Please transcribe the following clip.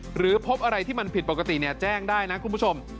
หรือพบอะไรที่มันผิดปกติแจ้งได้นะคุณผู้ชม